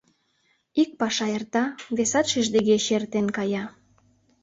Ик паша эрта, весат шиждегече эртен кая.